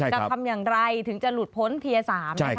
กับคำอย่างไรถึงจะหลุดพ้นเทียสาม